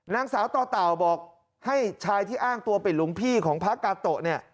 นางสาวต่อเต่าบอกให้ชายที่อ้างตัวเป็นหลวงพี่ของพระกาโตะเนี่ย